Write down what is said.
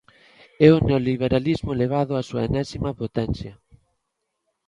É o neoliberalismo elevado á súa enésima potencia.